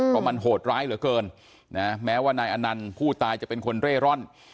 เพราะมันโหดร้ายเหลือเกินนะแม้ว่านายอนันต์ผู้ตายจะเป็นคนเร่ร่อน